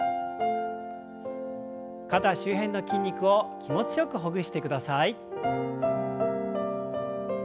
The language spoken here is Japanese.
肩周辺の筋肉を気持ちよくほぐしてください。